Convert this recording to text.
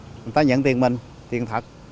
người ta nhận tiền mình tiền thật